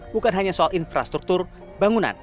bukan hanya soal infrastruktur bangunan